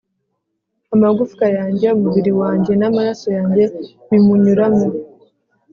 amagufwa yanjye, umubiri wanjye n'amaraso bimunyuramo.